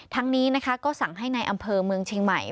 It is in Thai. ทั้งนี้นะคะก็สั่งให้ในอำเภอเมืองเชียงใหม่